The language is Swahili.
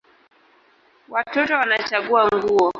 Watoto wanachagua nguo